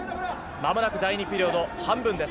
まもなく第２ピリオド半分です。